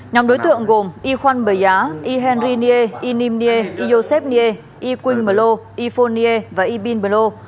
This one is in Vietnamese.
nhóm đối tượng gồm ikhwan beya ihenri nie inim nie iosef nie iquing melo ifon nie và ibin melo